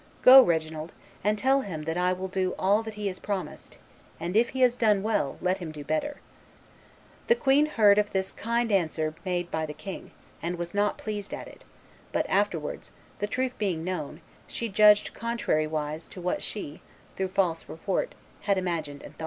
Go, Reginald, and tell him that I will do all that he has promised; and if he has done well, let him do better.' The queen heard of this kind answer made by the king, and was not pleased at it; but afterwards, the truth being known, she judged contrariwise to what she, through false report, had imagined and thought."